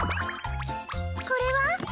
これは？